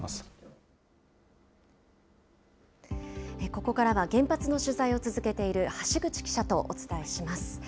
ここからは原発の取材を続けている橋口記者とお伝えします。